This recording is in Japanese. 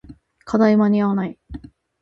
課題間に合わない